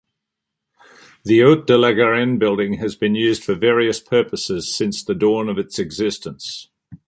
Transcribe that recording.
The Haut de la Garenne building, has been used for various purposes since the dawn of its existence.